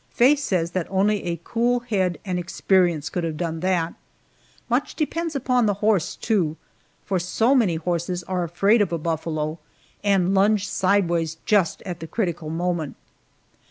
Faye says that only a cool head and experience could have done that. Much depends upon the horse, too, for so many horses are afraid of a buffalo, and lunge sideways just at the critical moment.